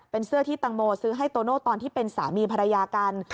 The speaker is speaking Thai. เป็นเสื้อที่ตังโมซื้อให้โตโน่ตอนที่เป็นสามีภรรยากัน